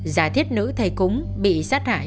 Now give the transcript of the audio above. giả thiết nữ thầy cúng bị sát hại